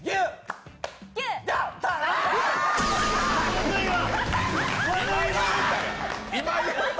むずいわ！